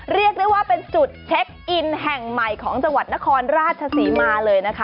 เรียกได้ว่าเป็นจุดเช็คอินแห่งใหม่ของจังหวัดนครราชศรีมาเลยนะคะ